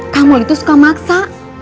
kamu itu suka maksa